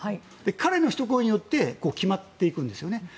彼のひと言によって決まっていくんですね。